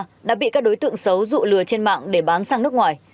trước đó nạn nhân đã bị các đối tượng xấu dụ lừa trên mạng để bán sang nước ngoài